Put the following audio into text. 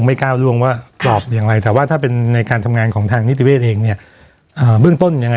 ก้าวล่วงว่าตอบอย่างไรแต่ว่าถ้าเป็นในการทำงานของทางนิติเวศเองเนี่ยเบื้องต้นยังไง